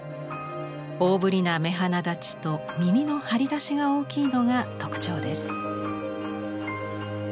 大ぶりな目鼻だちと耳の張り出しが大きいのが特徴です。